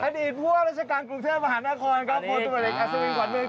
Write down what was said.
อดีตพูดว่าราชการกรุงเทพฯมหานครกับคนตัวเหล็กอศวินขวัญเมือง